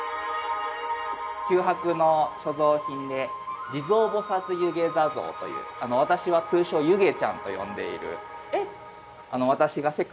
九博の所蔵品で地蔵菩遊戯坐像という私は通称ユゲちゃんと呼んでいる。